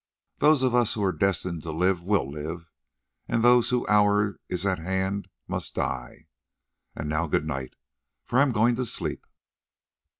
Those of us who are destined to live will live, and those whose hour is at hand must die. And now good night, for I am going to sleep."